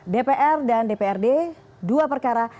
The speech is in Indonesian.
dpr dan dprd dua perkara